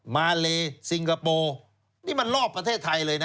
มาเลซิงคโปร์นี่มันรอบประเทศไทยเลยนะ